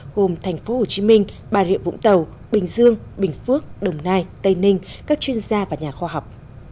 gồm thành phố hồ chí minh bà rịa vũng tàu bình dương bình phước đồng nai tây ninh các chuyên gia và nhà khoa học